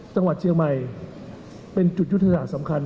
จังหวัดเชียงใหม่เป็นจุดยุทธศาสตร์สำคัญ